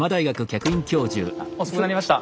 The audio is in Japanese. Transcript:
遅くなりました。